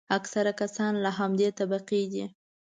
اکثره کسان له همدې طبقې دي.